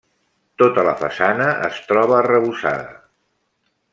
Tota la façana es troba arrebossada.